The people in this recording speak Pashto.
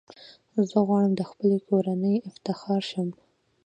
زه غواړم د خپلي کورنۍ افتخار شم .